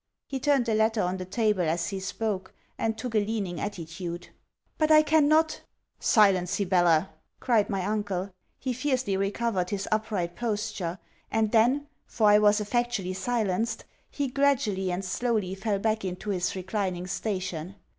He turned the letter on the table, as he spoke, and took a leaning attitude. 'But I cannot .' 'Silence, Sibella!' cried my uncle. He fiercely recovered his upright posture; and then, for I was effectually silenced, he gradually and slowly fell back into his reclining station.